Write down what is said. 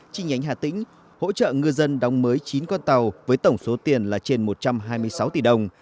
chi nhánh hà tĩnh hỗ trợ ngư dân đóng mới chín con tàu với tổng số tiền là trên một trăm hai mươi sáu tỷ đồng